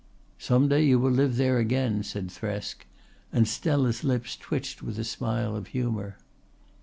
"Some day you will live there again," said Thresk, and Stella's lips twitched with a smile of humour.